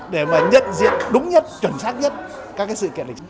để mà nhận diện đúng nhất chuẩn xác nhất các cái sự kiện lịch sử